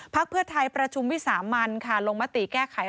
ประชุมวิสามัญค่ะลงมติแก้ไข